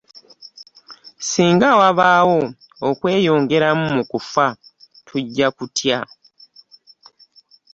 Ssinga wabaawo okweyongera mu kufa tujja kutya.